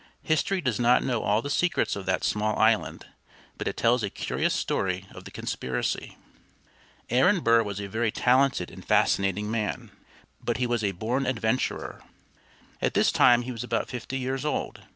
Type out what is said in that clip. History does not know all the secrets of that small island, but it tells a curious story of the conspiracy. Aaron Burr was a very talented and fascinating man, but he was a born adventurer. At this time he was about fifty years old.